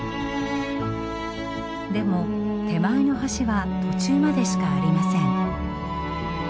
でも手前の橋は途中までしかありません。